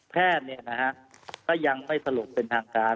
แพทย์ก็ยังไม่สรุปเป็นทางการ